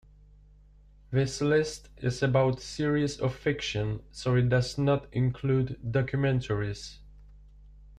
This list is about series of fiction, so it does not include documentaries.